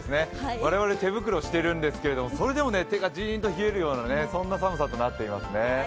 我々、手袋してるんですけどそれでも手がジーンと冷えるようなそんな寒さとなっていますね。